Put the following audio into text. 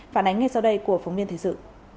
phản ánh ngay sau đây của phóng viên thời sự